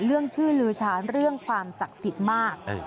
เรื่องชื่อลือชาญเรื่องความศักดิ์สิทธิ์มาก